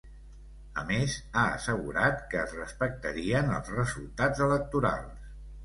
A més, ha assegurat que es respectarien els resultats electorals.